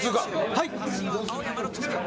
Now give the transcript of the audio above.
はい！